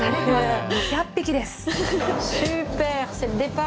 ２００匹です。